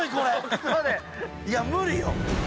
いや無理よ。